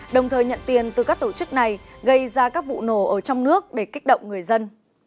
đồng thời nhận tiền từ các tổ chức này gây ra các vụ nổ ở trong nước để kích động người dân